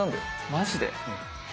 マジで？